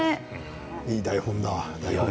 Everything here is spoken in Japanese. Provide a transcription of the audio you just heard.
いい台本だ。